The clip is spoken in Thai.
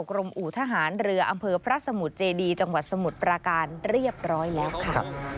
อู่ทหารเรืออำเภอพระสมุทรเจดีจังหวัดสมุทรปราการเรียบร้อยแล้วค่ะ